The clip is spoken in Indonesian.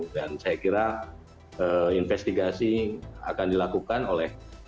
saya kira investigasi akan dilakukan oleh